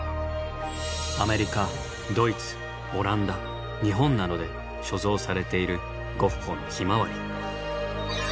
アメリカドイツオランダ日本などで所蔵されているゴッホの「ヒマワリ」。